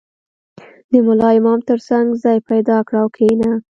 • د ملا امام تر څنګ ځای پیدا کړه او کښېنه.